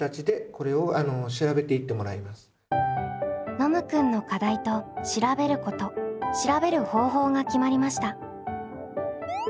ノムくんの「課題」と「調べること」「調べる方法」が決まりました。